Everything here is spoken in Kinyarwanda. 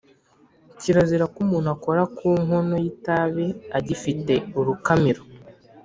Kirazira ko umuntu akora ku nkono y’itabi agifite urukamiro